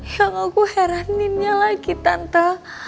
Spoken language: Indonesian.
yang aku heraninnya lagi tante